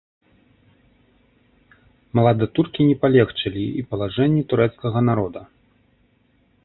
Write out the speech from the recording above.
Младатуркі не палегчылі і палажэнні турэцкага народа.